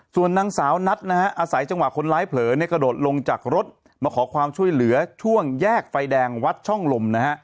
ส่วนนางสาวนัทนะฮะอาศัยจังหวะคนร้ายเผลอกระโดดลงจากรถมาขอความช่วยเหลือช่วงแยกไฟแดงวัดช่องลมนะฮะ